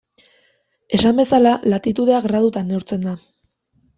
Esan bezala, latitudea gradutan neurtzen da.